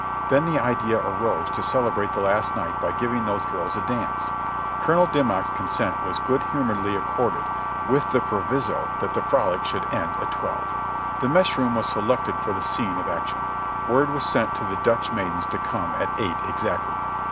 Then the idea arose to celebrate the last night by giving those girls a dance. Colonel Dimmock's consent was good humoredly accorded, with the proviso that the frolic should end at twelve. The mess room was selected for the scene of action. Word was sent to the Dutch maidens to come at eight exactly.